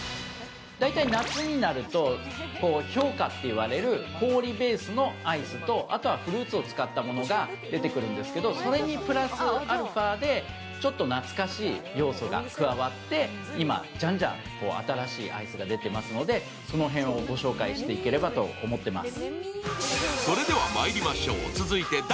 大体夏になると氷菓といわれる氷ベースのアイスと、あとフルーツを使ったものが出てくるんですけれども、それにプラスアルファでちょっと懐かしい要素が加わって今、じゃんじゃん新しいアイスが出てますのでその辺をご紹介していければと思っています。